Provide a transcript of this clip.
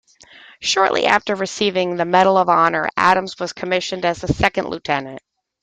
Shortly after receiving the Medal of Honor, Adams was commissioned as a second lieutenant.